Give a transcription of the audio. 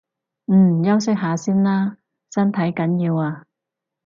嗯，休息下先啦，身體緊要啊